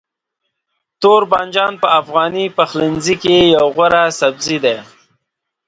توربانجان په افغاني پخلنځي کې یو غوره سبزی دی.